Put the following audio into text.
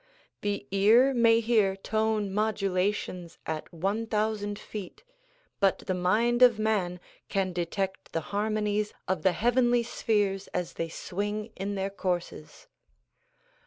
The ear may hear tone modulations at one thousand feet but the mind of man can detect the harmonies of the heavenly spheres as they swing in their courses.